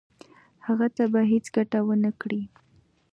هغه ته به هیڅ ګټه ونه کړي.